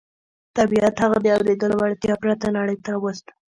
طبيعت هغه د اورېدو له وړتيا پرته نړۍ ته راووست.